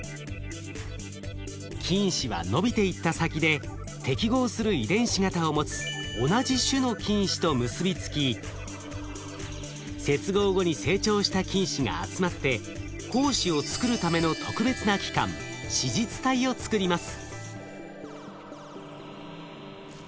菌糸は伸びていった先で適合する遺伝子型を持つ同じ種の菌糸と結びつき接合後に成長した菌糸が集まって胞子を作るための特別な器官子実体を作ります。